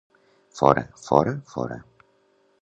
Fora, fora, fora.